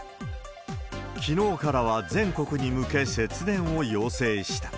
きのうからは全国に向け、節電を要請した。